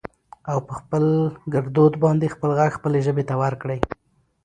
او په خپل ګردود باندې خپل غږ خپلې ژبې ته ورکړٸ